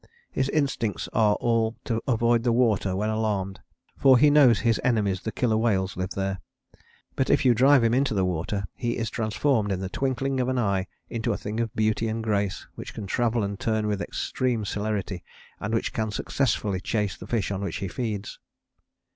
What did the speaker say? His instincts are all to avoid the water when alarmed, for he knows his enemies the killer whales live there: but if you drive him into the water he is transformed in the twinkling of an eye into a thing of beauty and grace, which can travel and turn with extreme celerity and which can successfully chase the fish on which he feeds.